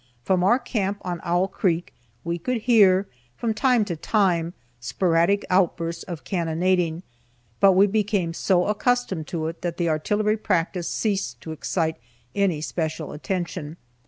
From our camp on Owl creek we could hear, from time to time, sporadic outbursts of cannonading, but we became so accustomed to it that the artillery practice ceased to excite any special attention.